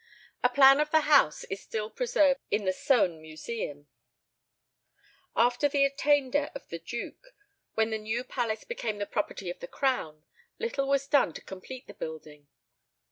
A plan of the house is still preserved in the Soane Museum. After the attainder of the duke, when the new palace became the property of the crown, little was done to complete the building.